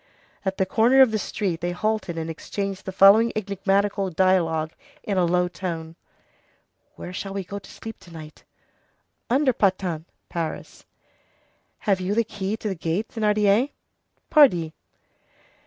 At the corner of the street they halted and exchanged the following enigmatical dialogue in a low tone:— "Where shall we go to sleep to night?" "Under Pantin [Paris]." "Have you the key to the gate, Thénardier?" "Pardi."